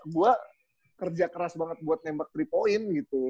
gue kerja keras banget buat nembak tiga point gitu